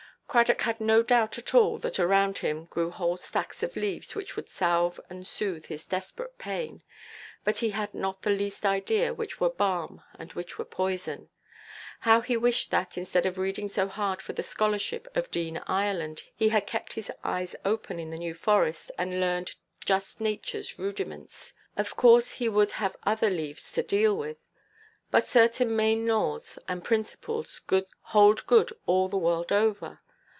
Cradock had no doubt at all that around him grew whole stacks of leaves which would salve and soothe his desperate pain; but he had not the least idea which were balm and which were poison. How he wished that, instead of reading so hard for the scholarship of Dean Ireland, he had kept his eyes open in the New Forest, and learned just Natureʼs rudiments! Of course he would have other leaves to deal with; but certain main laws and principles hold good all the world over.